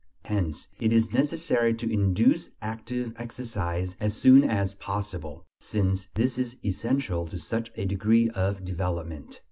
Hence it is necessary to induce active exercise as soon as possible, since this is essential to such a degree of development.